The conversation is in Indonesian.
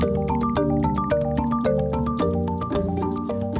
tapi sayang jadi wakil gubernur